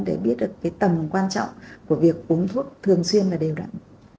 để biết được tầm quan trọng của việc uống thuốc thường xuyên và đều đặn